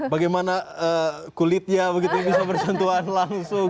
bagaimana kulitnya begitu bisa bersentuhan langsung